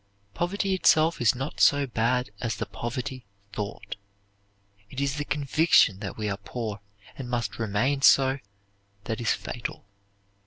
Poverty itself is not so bad as the poverty thought. It is the conviction that we are poor and must remain so that is fatal.